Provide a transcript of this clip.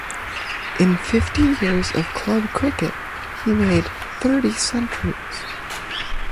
In fifty years of club cricket he made thirty centuries.